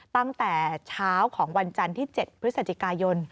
ตั้งแต่เช้าของวันจันทร์ที่๗พฤศจิกายน